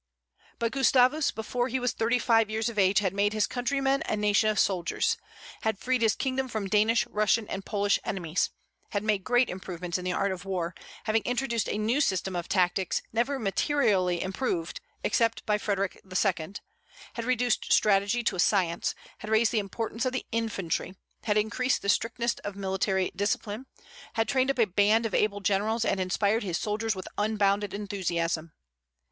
But Gustavus before he was thirty five years of age had made his countrymen a nation of soldiers; had freed his kingdom from Danish, Russian, and Polish enemies; had made great improvements in the art of war, having introduced a new system of tactics never materially improved except by Frederic II.; had reduced strategy to a science; had raised the importance of the infantry, had increased the strictness of military discipline, had trained up a band of able generals, and inspired his soldiers with unbounded enthusiasm.